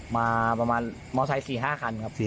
มาประมาณมอเตอร์ไทย๔๕คันครับ